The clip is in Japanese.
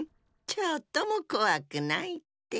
ちょっともこわくないって。